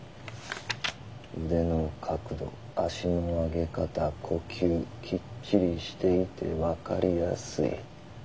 「腕の角度足の上げ方呼吸きっちりしていてわかりやすい」。